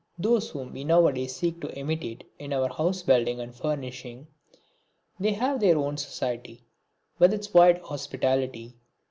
Those whom we now a days seek to imitate in our house building and furnishing, they have their own society, with its wide hospitality.